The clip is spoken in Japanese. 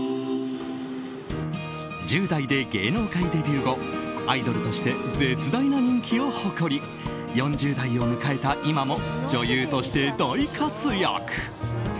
１０代で芸能界デビュー後アイドルとして絶大な人気を誇り４０代を迎えた今も女優として大活躍。